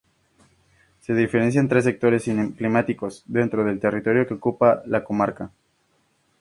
Se diferencian tres sectores climáticos dentro del territorio que ocupa la comarca.